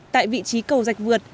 tại vị trí cầu dạch vượt